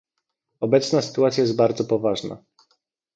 Obecna sytuacja jest bardzo poważna